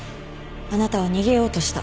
あなたは逃げようとした。